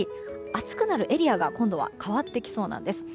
暑くなるエリアが変わってきそうです。